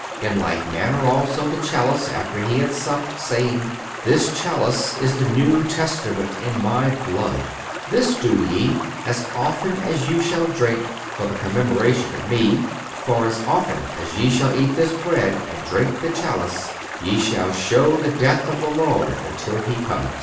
In like manner also the chalice, after He had supped, saying: This chalice is the new testament in My blood. This do ye, as often as you shall drink, for the commemoration of Me; for as often as ye shall eat this bread, and drink the chalice, ye shall show the death of the Lord until He come."